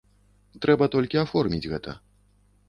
Трэба толькі аформіць гэта.